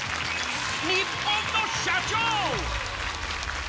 ニッポンの社長。